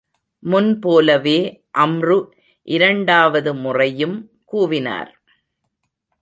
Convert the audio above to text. முன்போலவே அம்ரு இரண்டாவது முறையும் கூவினார்.